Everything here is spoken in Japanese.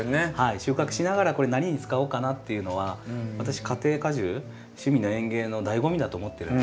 収穫しながら「これ何に使おうかな」っていうのは私家庭果樹趣味の園芸の醍醐味だと思ってるので。